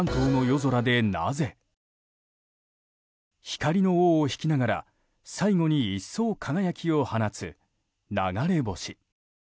光の尾を引きながら最後に一層輝きを放つ流れ星。